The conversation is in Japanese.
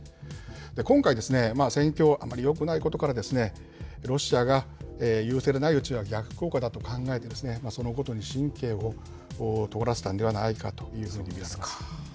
今回ですね、戦況はあまりよくないことから、ロシアがうちは逆効果だと考えて、そのことに神経をとがらせたんではないかというふうに見られています。